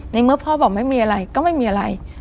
ในเมื่อพ่อบอกไม่มีอะไรก็ไม่มีอะไร